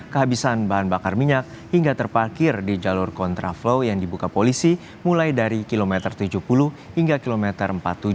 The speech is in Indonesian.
kehabisan bahan bakar minyak hingga terparkir di jalur kontraflow yang dibuka polisi mulai dari kilometer tujuh puluh hingga kilometer empat puluh tujuh